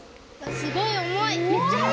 すごい重い。